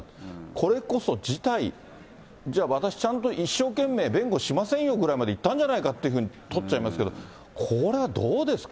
これこそ自体じゃあ、私一生懸命弁護しませんよぐらいまで言ったんじゃないかっていうふうに取ってしまいますけど、これはどうですか。